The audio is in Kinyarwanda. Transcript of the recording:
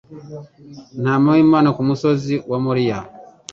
Ntama w'Imana.'' Ku musozi wa Moriya,